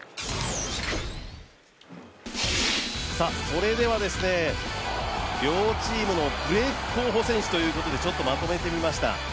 それでは、両チームのブレーク候補選手ということでまとめてみました。